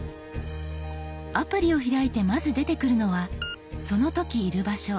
アプリを開いてまず出てくるのはその時いる場所